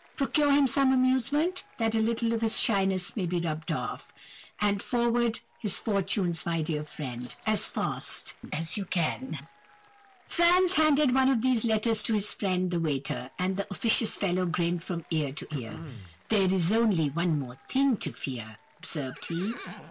Procure him some amusement, that a little of his shyness may be rubbed off; and forward his fortunes, my dear friend, as far as you can ...' "Franz handed one of these letters to his friend the waiter, and the 'officious fellow' grinned from ear to ear. "'There is only one more thing to fear,' observed he.